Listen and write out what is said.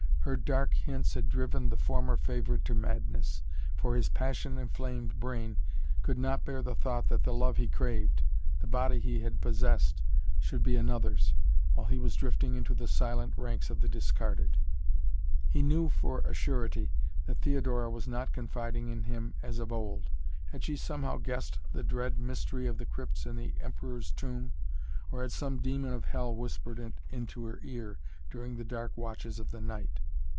Her dark hints had driven the former favorite to madness, for his passion inflamed brain could not bear the thought that the love he craved, the body he had possessed, should be another's, while he was drifting into the silent ranks of the discarded. He knew for a surety that Theodora was not confiding in him as of old. Had she somehow guessed the dread mystery of the crypts in the Emperor's Tomb, or had some demon of Hell whispered it into her ear during the dark watches of the night?